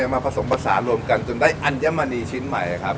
มาผสมผสานรวมกันจนได้อัญมณีชิ้นใหม่ครับ